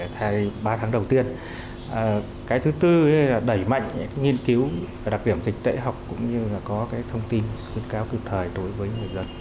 thay ba tháng đầu tiên cái thứ tư là đẩy mạnh những nghiên cứu đặc điểm dịch tễ học cũng như là có cái thông tin khuyến cáo kịp thời đối với người dân